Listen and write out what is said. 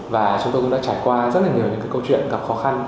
và chúng tôi cũng đã trải qua rất là nhiều những câu chuyện gặp khó khăn